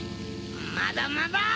まだまだ！